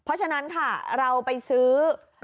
เพราะฉะนั้นค่ะเราไปซื้อ